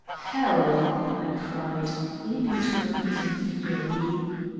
"Hell!" I cried, leaping to my feet in fury.